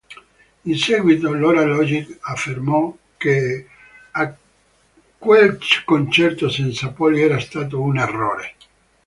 In seguito Lora Logic affermò che quel concerto senza Poly era stato un errore.